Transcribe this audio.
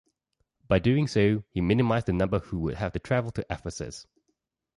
By doing so, he minimized the number who would have to travel to Ephesus.